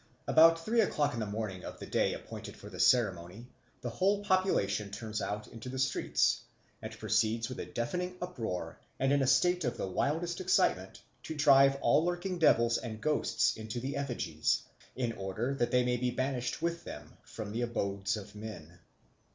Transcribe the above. About three o'clock in the morning of the day appointed for the ceremony the whole population turns out into the streets, and proceeds with a deafening uproar and in a state of the wildest excitement to drive all lurking devils and ghosts into the effigies, in order that they may be banished with them from the abodes of men.